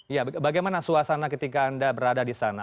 ya bagaimana suasana ketika anda berada di sana